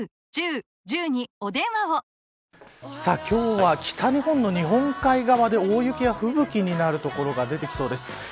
今日は、北日本の日本海側で大雪や吹雪になる所が出てきそうです。